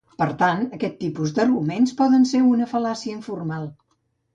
Per tant, aquest tipus d'arguments poden ser una fal·làcia informal.